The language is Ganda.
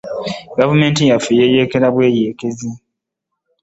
Gavumenti yaffe yeyeekera buyeekezi.